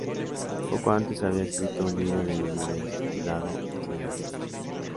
Poco antes había escrito un libro de memorias titulado "Y todavía sigue".